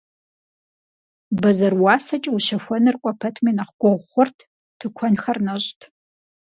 Бэзэр уасэкӀэ ущэхуэныр кӀуэ пэтми нэхъ гугъу хъурт, тыкуэнхэр нэщӀт.